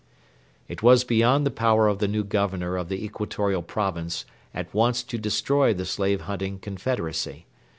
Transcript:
It was beyond the power of the new Governor of the Equatorial Province at once to destroy the slave hunting confederacy.